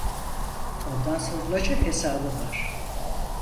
Ondan sorulacak hesabı var.